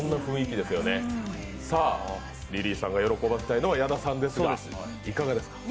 リリーさんが喜ばせたいのは矢田さんですが、いかがですか？